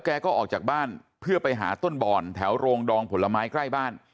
แกก็ออกจากบ้านเพื่อไปหาต้นบ่อนแถวโรงดองผลไม้ใกล้บ้าน